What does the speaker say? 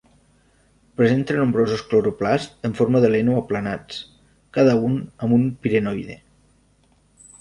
Presenta nombrosos cloroplasts en forma de lent o aplanats, cada un amb un pirenoide.